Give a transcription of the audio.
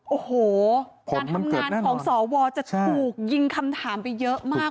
โอ้โหการทำงานของสวจะถูกยิงคำถามไปเยอะมาก